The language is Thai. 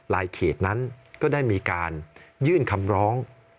เขตนั้นก็ได้มีการยื่นคำร้อง